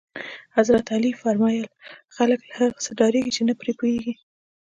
حضرت علی فرمایل: خلک له هغه څه ډارېږي چې نه پرې پوهېږي.